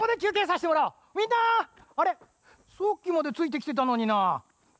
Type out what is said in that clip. さっきまでついてきてたのになあ。